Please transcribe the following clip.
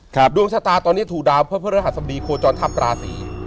ครับดวงชะตาตอนเนี้ยถูกดาวเพื่อเพื่อระหัสสมดีโครจรทัพราศี